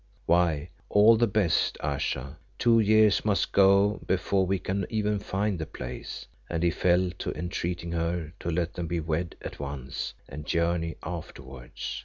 Why, at the best, Ayesha, two years must go by before we can even find the place;" and he fell to entreating her to let them be wed at once and journey afterwards.